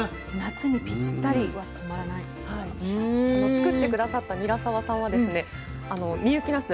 作って下さった韮澤さんはですね深雪なす